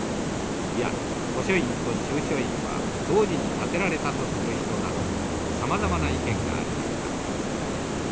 いや古書院と中書院は同時に建てられたとする人などさまざまな意見がありました。